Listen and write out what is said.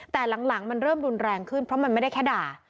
แต่หลังมันเริ่มรุนแรงขึ้นเพราะมันไม่ได้แค่ด่า